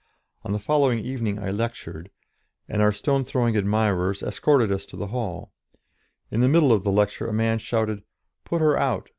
On the following evening I lectured, and our stone throwing admirers escorted us to the hall; in the middle of the lecture a man shouted, "Put her out!"